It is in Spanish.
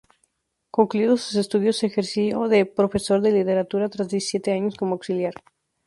Concluidos sus estudios, ejerció de profesor de Literatura tras diecisiete años como auxiliar.